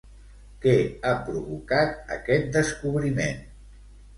Què ha provocat aquest descobriment?